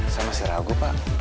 sama si ragu pak